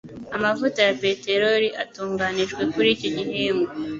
Amavuta ya peteroli atunganijwe kuri iki gihingwa.